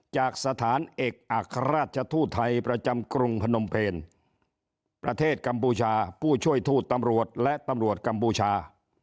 จากสถานเอกอัครราชทูตไทยประจำกรุงพนมเพลประเทศกัมพูชาผู้ช่วยทูตตำรวจและตำรวจกัมพูชา